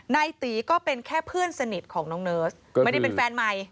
นายตีก็เป็นแค่เพื่อนสนิทของน้องเนิร์สไม่ได้เป็นแฟนใหม่